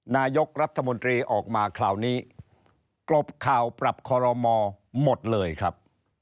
นายกรัฐมนตรีออกมาคราวนี้กรบข่าวปรับคอรมอหมดเลยครับ